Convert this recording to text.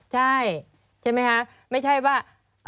ใช่ใช่ไหมคะไม่ใช่ว่า